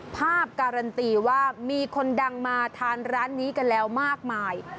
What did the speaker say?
ภาพการันตีว่ามีคนดังมาทานร้านนี้กันแล้วมากมาย